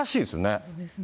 そうですね。